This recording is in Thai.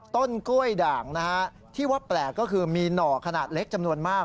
ต้นกล้วยด่างนะฮะที่ว่าแปลกก็คือมีหน่อขนาดเล็กจำนวนมาก